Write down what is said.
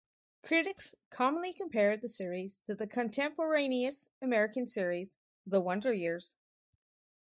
Critics commonly compared the series to the contemporaneous American series "The Wonder Years".